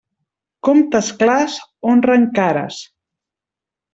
Comptes clars honren cares.